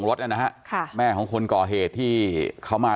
จนกระทั่งหลานชายที่ชื่อสิทธิชัยมั่นคงอายุ๒๙เนี่ยรู้ว่าแม่กลับบ้าน